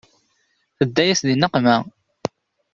Tedda-yas di nneqma.